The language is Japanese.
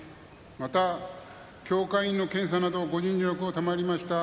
また、協会員の検査などご尽力を賜りました